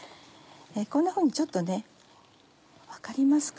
こんなふうにちょっとね分かりますか？